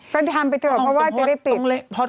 ก็ทำไปเถอะเพราะว่าจะได้ปิด